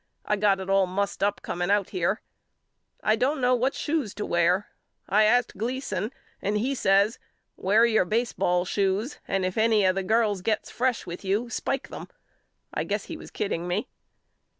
I got it all mussed up coming out here. I don't know what shoes to wear. I asked Gleason and he says Wear your baseball shoes and if any of the girls gets fresh with you spike them. I guess he was kidding me.